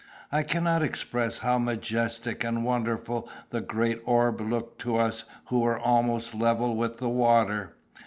I cannot express how majestic and wonderful the great orb looked to us who were almost level with the water.